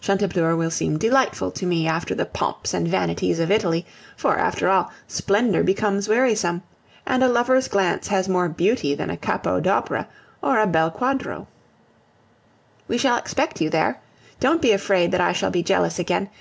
Chantepleurs will seem delightful to me after the pomps and vanities of Italy; for, after all, splendor becomes wearisome, and a lover's glance has more beauty than a capo d'opera or a bel quadro! We shall expect you there. Don't be afraid that I shall be jealous again.